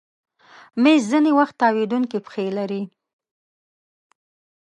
مېز ځینې وخت تاوېدونکی پښې لري.